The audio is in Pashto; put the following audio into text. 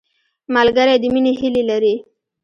ملګری د مینې هیلې لري